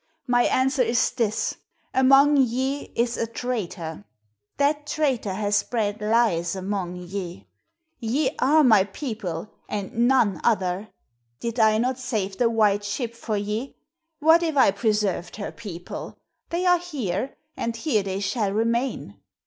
"My answer is this. Among ye is a traitor. That traitor has spread lies among ye. Ye are my people, and none other. Did I not save the white ship for ye? What if I preserved her people. They are here, and here they shall remain.